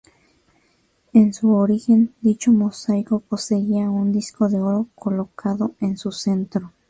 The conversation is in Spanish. En su origen, dicho mosaico poseía un disco de oro colocado en su centro.